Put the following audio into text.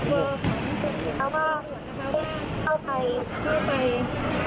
เพราะตอนนี้ก็ไม่มีเวลาให้เข้าไปที่นี่